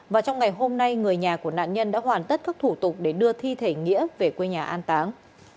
và trong ngày hôm nay người nhà của nạn nhân đã hoàn tất các thủ tục để đưa thi thể nghĩa về quê nhà an táng